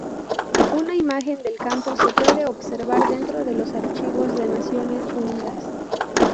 Una imagen del campo se puede observar dentro de los archivos de Naciones Unidas.